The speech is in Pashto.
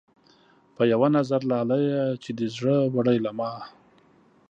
پۀ يو نظر لاليه چې دې زړۀ وړے له ما